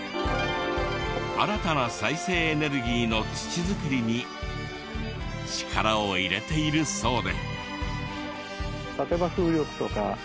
新たな再生エネルギーの土作りに力を入れているそうで。